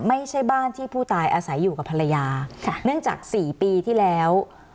ไม่ใช่บ้านที่ผู้ตายอาศัยอยู่กับภรรยาค่ะเนื่องจากสี่ปีที่แล้ว